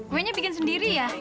kuenya bikin sendiri ya